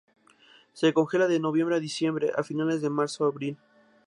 Se congela de noviembre-diciembre a finales de marzo-abril.